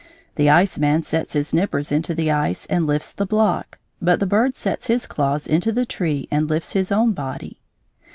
The iceman sets his nippers into the ice and lifts the block; but the bird sets his claws into the tree and lifts his own body.